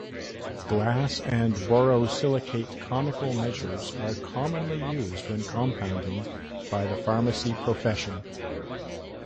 Glass and borosilicate conical measures are commonly used when compounding by the pharmacy profession.